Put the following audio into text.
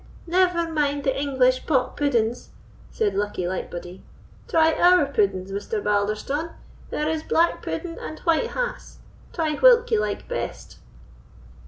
"Hout, never mind the English pock puddings," said Luckie Lightbody; "try our puddings, Mr. Balderstone; there is black pudding and white hass; try whilk ye like best."